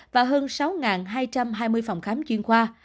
và hơn sáu hai trăm hai mươi phòng khám chuyên khoa